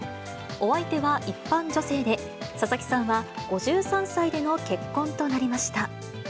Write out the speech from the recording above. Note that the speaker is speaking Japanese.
お相手は一般女性で、佐々木さんは、５３歳での結婚となりました。